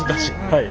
はい。